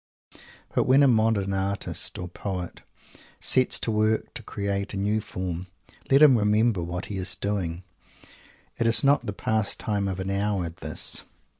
But when a modern artist or poet sets to work to create a new form, let him remember what he is doing! It is not the pastime of an hour, this.